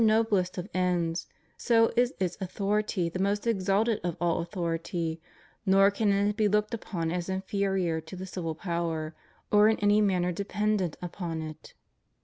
113 noblest of ends, so is its authority the most exalted of all authority, nor can it be looked upon as inferior to the civil power, or in any manner dependent upon it.